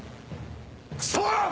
クソ！